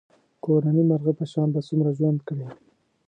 کورني مرغه په شان به څومره ژوند کړې.